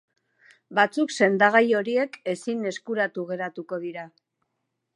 Batzuk sendagai horiek ezin eskuratu geratuko dira.